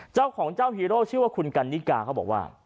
เจ้าของเจ้าฮีโร่ชื่อว่าคุณกันนิกาเขาบอกว่า